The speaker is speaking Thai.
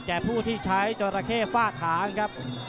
แก่ผู้ที่ใช้จนระเข้ฟาดทางครับ